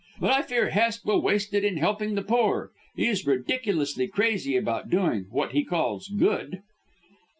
But I fear Hest will waste it in helping the poor; he's ridiculously crazy about doing what he calls good."